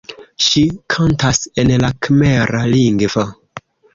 Ŝi kantas en la kmera lingvo.